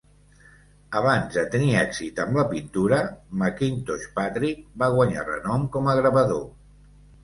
Abans de tenir èxit amb la pintura, McIntosh Patrick va guanyar renom com a gravador.